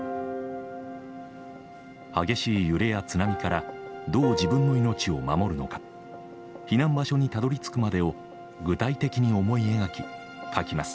激しい揺れや津波からどう自分の命を守るのか避難場所にたどりつくまでを具体的に思い描き書きます。